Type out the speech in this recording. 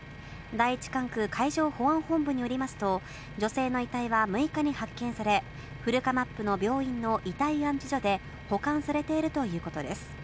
第１管区海上保安本部によりますと、女性の遺体は６日に発見され、古釜布の病院の遺体安置所で保管されているということです。